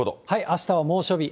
あしたは猛暑日。